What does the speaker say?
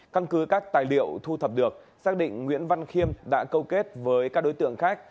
căn cứ các tài liệu thu thập được xác định nguyễn văn khiêm đã câu kết với các đối tượng khác